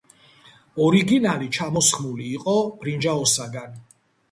ორიგინალი ჩამოსხმული იყო ბრინჯაოსაგან.